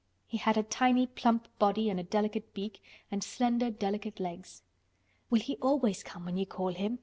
He had a tiny plump body and a delicate beak, and slender delicate legs. "Will he always come when you call him?"